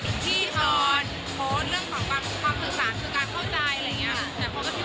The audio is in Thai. ที่พอโพสต์เรื่องของความสื่อสารคือการเข้าใจอะไรอย่างนี้